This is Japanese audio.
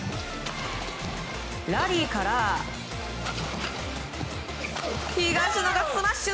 ラリーから東野がスマッシュ！